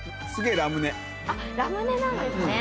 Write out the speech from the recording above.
ラムネなんですね。